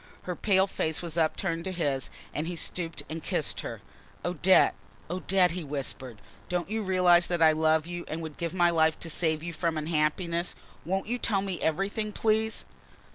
Her pale face was upturned to his and he stooped and kissed her. "Odette! Odette!" he whispered. "Don't you realise that I love you and would give my life to save you from unhappiness? Won't you tell me everything, please?"